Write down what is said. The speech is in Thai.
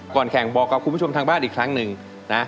ก่อนแข่งบอกกับคุณผู้ชมทางบ้านอีกครั้งหนึ่งนะ